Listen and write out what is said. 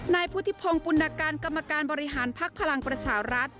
นายพูดที่พะงการกรรมการบริหารพลักษณะภลังประชารัฐ